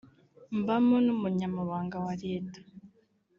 mbamo n’Umunyamabanga wa Leta